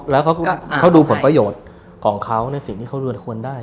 แล้วเขาดูผลประโยชน์ของเขาในสิ่งที่เขารวนควรได้